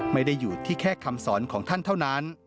ไม่ได้อยู่ที่แค่คำสอนของท่านเท่านั้น